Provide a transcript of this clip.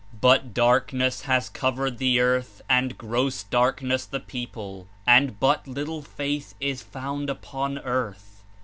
But '^darkness has covered the earth and ^ross darkness the people," and hut little faith is found upon earth.